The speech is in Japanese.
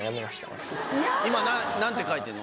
今何て書いてるの？